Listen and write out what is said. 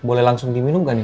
boleh langsung diminum gak nih